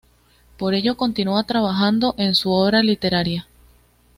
Por ello continua trabajando en su obra literaria.